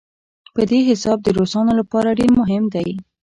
په دې حساب د روسانو لپاره ډېر مهم دی.